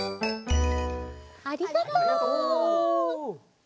ありがとう！